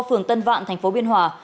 phường tân vạn tp biên hòa